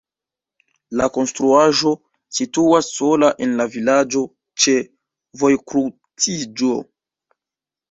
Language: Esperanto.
La konstruaĵo situas sola en la vilaĝo ĉe vojkruciĝo.